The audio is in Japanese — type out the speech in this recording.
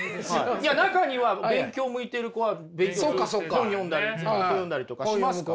中には勉強向いてる子は勉強して本読んだりとかしますから。